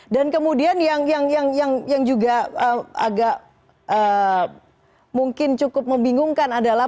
kemudian yang juga agak mungkin cukup membingungkan adalah